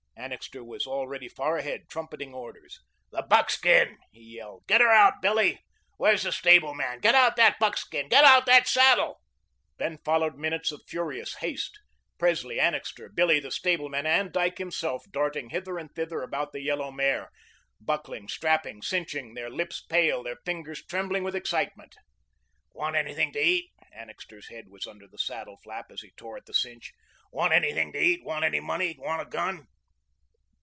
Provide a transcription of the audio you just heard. Annixter was already far ahead, trumpeting orders. "The buckskin," he yelled. "Get her out, Billy. Where's the stable man? Get out that buckskin. Get out that saddle." Then followed minutes of furious haste, Presley, Annixter, Billy the stable man, and Dyke himself, darting hither and thither about the yellow mare, buckling, strapping, cinching, their lips pale, their fingers trembling with excitement. "Want anything to eat?" Annixter's head was under the saddle flap as he tore at the cinch. "Want anything to eat? Want any money? Want a gun?"